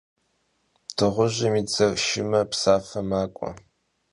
Dığujım yi dzer şşıme, psafe mak'ue.